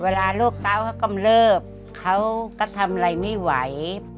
เวลาโรคเก้าเขากำเลิบเขาก็ทำอะไรไม่ไหว